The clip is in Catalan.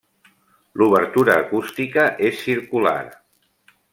L'obertura acústica és circular.